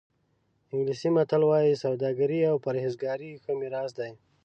انګلیسي متل وایي سوداګري او پرهېزګاري ښه میراث دی.